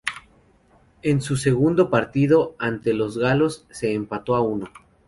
En su segundo partido, ante los galos se empató a uno.